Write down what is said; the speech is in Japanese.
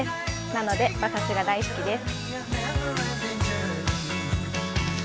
なので馬刺しが大好きです。